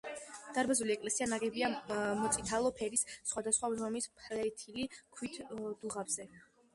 დარბაზული ეკლესია ნაგებია მოწითალო ფერის, სხვადასხვა ზომის ფლეთილი ქვით დუღაბზე.